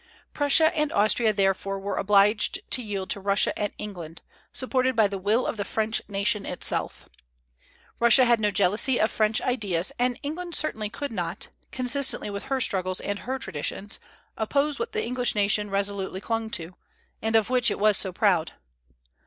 Prussia and Austria, therefore, were obliged to yield to Russia and England, supported by the will of the French nation itself. Russia had no jealousy of French ideas; and England certainly could not, consistently with her struggles and her traditions, oppose what the English nation resolutely clung to, and of which it was so proud.